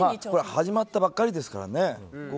これは始まったばかりですからね。